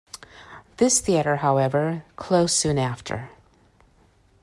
This theatre, however, closed soon after.